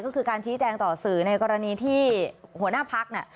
ก็คือการชี้แจงต่อสื่อในกรณีที่หัวหน้าพัก